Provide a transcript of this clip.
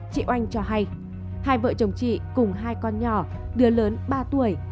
chị oanh cho hay hai vợ chồng chị cùng hai con nhỏ đứa lớn ba tuổi